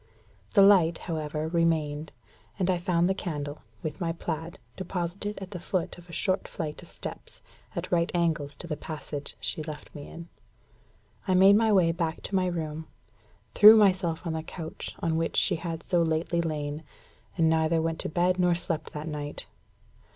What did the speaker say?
The light, however, remained; and I found the candle, with my plaid, deposited at the foot of a short flight of steps, at right angles to the passage she left me in. I made my way back to my room, threw myself on the couch on which she had so lately lain, and neither went to bed nor slept that night.